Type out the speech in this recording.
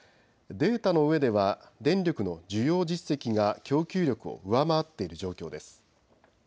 データの上では電力の需要実績が供給力を上回っている状況です。